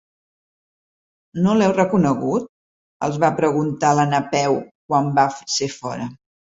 No l'heu reconegut? —els va preguntar la Napeu quan va ser fora.